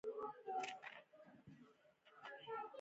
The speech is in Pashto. ساقي وویل طوفان ختم شو خو لار به تکلیفي وي.